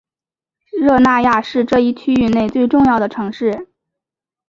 热那亚是这一区域内最重要的城市。